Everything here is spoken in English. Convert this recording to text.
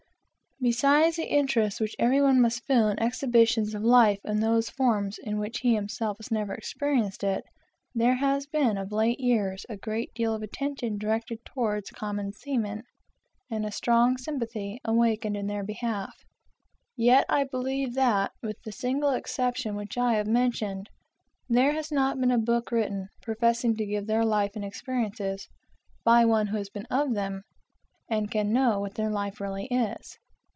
Besides the interest which every one must feel in exhibitions of life in those forms in which he himself has never experienced it; there has been, of late years, a great deal of attention directed toward common seamen, and a strong sympathy awakened in their behalf. Yet I believe that, with the single exception which I have mentioned, there has not been a book written, professing to give their life and experiences, by one who has been of them, and can know what their life really is.